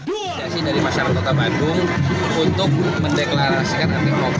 deklarasi dari masyarakat kota bandung untuk mendeklarasikan anti hoax